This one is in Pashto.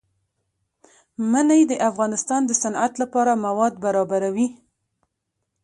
منی د افغانستان د صنعت لپاره مواد برابروي.